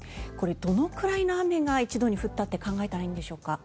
どのくらいの雨が一度に降ったと考えたらいいんでしょうか？